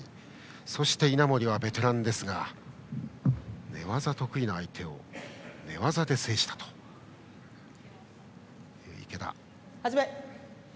そして稲森はベテランですが寝技が得意な相手を寝技で制した池田。